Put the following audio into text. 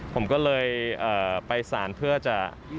ผมก็เลยไปสารเพื่อจะ